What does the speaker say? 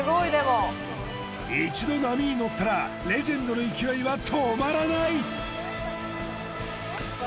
一度波に乗ったらレジェンドの勢いは止まらない。